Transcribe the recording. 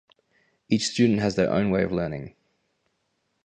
Each student has their own way of learning.